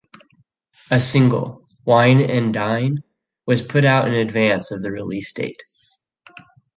A single, "Whine and Dine", was put out in advance of the release date.